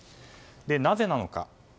なぜなのか。